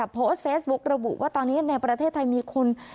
โพสต์เฟซบุ๊กระบุว่าตอนนี้ในประเทศไทยมีคุณ